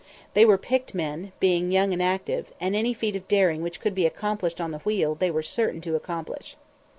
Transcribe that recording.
They were picked men, being young and active, and any feat of daring which could be accomplished on the wheel they were certain to accomplish.